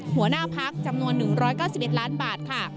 หัวหน้าพักจำนวน๑๙๑ล้านบาทค่ะ